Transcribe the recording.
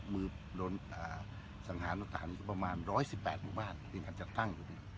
มือโดนสังหารต่างก็ประมาณ๑๑๘หมู่บ้านที่อาจจะตั้งอยู่